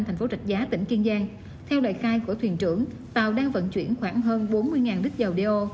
thành phố rạch giá tỉnh kiên giang theo lời khai của thuyền trưởng tàu đang vận chuyển khoảng hơn bốn mươi lít dầu đeo